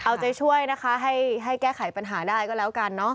เอาใจช่วยนะคะให้แก้ไขปัญหาได้ก็แล้วกันเนอะ